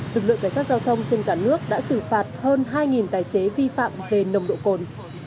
lực lượng cảnh sát giao thông trên cả nước đã xử phạt hơn hai tài xế vi phạm về nồng độ cồn